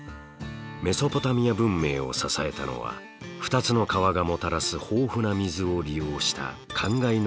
メソポタミア文明を支えたのは２つの川がもたらす豊富な水を利用した灌漑農業です。